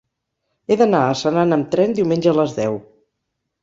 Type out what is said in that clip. He d'anar a Senan amb tren diumenge a les deu.